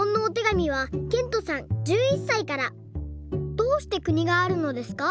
「どうして国があるのですか？